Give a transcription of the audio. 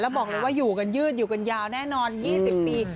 บอกเลยว่าอยู่กันยืดอยู่กันยาวแน่นอน๒๐ปี